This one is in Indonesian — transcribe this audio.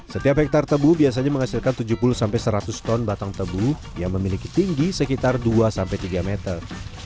setiap hektare tebu biasanya menghasilkan tujuh puluh seratus ton batang tebu yang memiliki tinggi sekitar dua sampai tiga meter